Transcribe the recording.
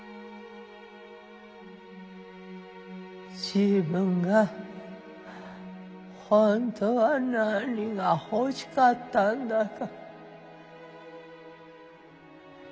自分が本当は何が欲しかったんだか。